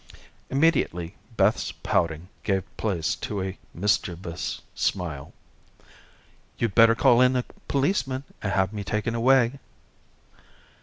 Immediately Beth's pouting gave place to a mischievous smile. "You'd better call in a policeman, and have me taken away."